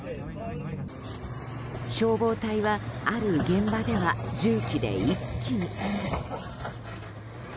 消防隊は、ある現場では重機で一気に。